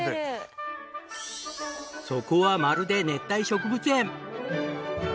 そこはまるで熱帯植物園。